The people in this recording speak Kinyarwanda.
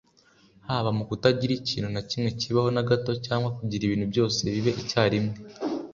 haba mu kutagira ikintu na kimwe kibaho na gato cyangwa kugira ibintu byose bibe icyarimwe